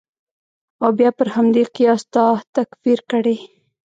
او بیا پر همدې قیاس تا تکفیر کړي.